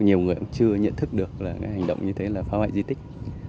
nhiều người cũng chưa nhận thức được là cái hành động như thế là phá hoại di tích